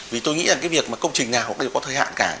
vì tôi nghĩ là cái việc mà công trình nào cũng đều có thời hạn cả